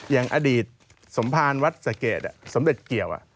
อย่างอดีตสมภารวัดสะเกดสมเด็จเกี่ยว